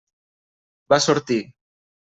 Va sortir.